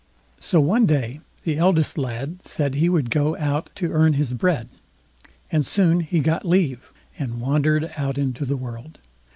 So one day the eldest lad said he would go out to earn his bread, and he soon got leave, and wandered out into the world.